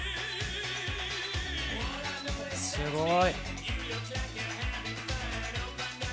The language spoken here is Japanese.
すごい。